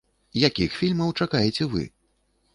Якіх фільмаў чакаеце вы?